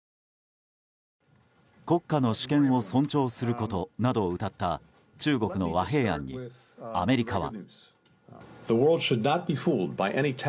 国家の主権を尊重することなどをうたった中国の和平案にアメリカは。